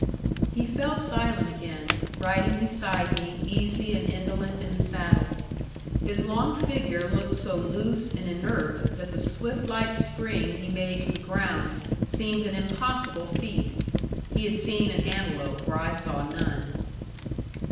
He fell silent again, riding beside me, easy and indolent in the saddle. His long figure looked so loose and inert that the swift, light spring he made to the ground seemed an impossible feat. He had seen an antelope where I saw none.